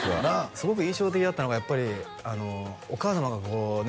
すごく印象的だったのがやっぱりお母様がこうね